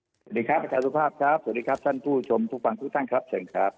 สวัสดีครับอาจารย์สุภาพครับสวัสดีครับท่านผู้ชมผู้ฟังทุกท่านครับเชิญครับ